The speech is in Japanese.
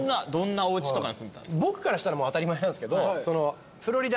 僕からしたらもう当たり前なんですけど。